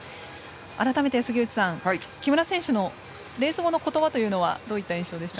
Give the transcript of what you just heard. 改めて、杉内さん木村選手のレース後の言葉というのはどういった印象でしたか。